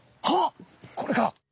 あっこれか？